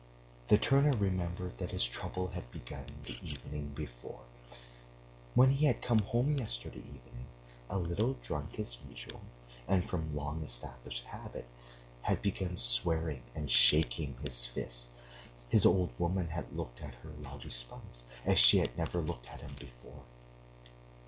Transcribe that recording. The turner remembered that his trouble had begun the evening before. When he had come home yesterday evening, a little drunk as usual, and from long established habit had begun swearing and shaking his fists, his old woman had looked at her rowdy spouse as she had never looked at him before.